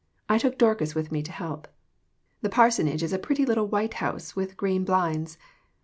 I took Dorcas with me to help. The parsonage is a pretty little white house, with green blinds.